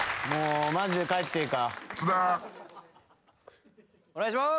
マジで帰ってええか？